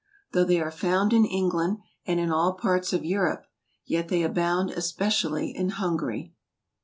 Though they are found in England, and in all parts of Europe, yet they abound especially in Hungary.